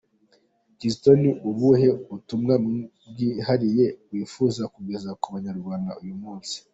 Kizito ni ubuhe butumwa bwihariye wifuza kugeza ku banyarwanda uyu munsi ?.